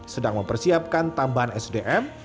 sedang mempersiapkan tambahan sdm